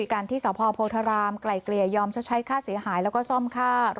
ไกล่เกลี่ยยอมใช้ค่าเสียหายและส่วนการซ่องค่า